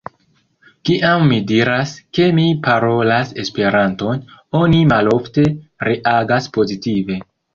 Kiam mi diras, ke mi parolas Esperanton, oni malofte reagas pozitive.